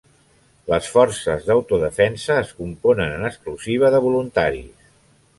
Les Forces d'Autodefensa es componen en exclusiva de voluntaris.